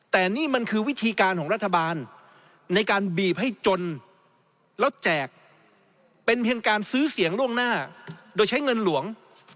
แต่นี่มันคือวิธีการของรัฐบาลในการบีบให้จนแล้วแจกเป็นเพียงการซื้อเสียงล่วงหน้าโดยใช้เงินหลวง